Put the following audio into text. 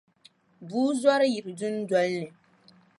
Bua zɔri yiri dundolini na.